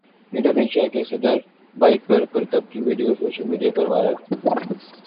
Indonesia کے صدر کی بائیک پر کرتب کی ویڈیو سوشل میڈیا پر وائرل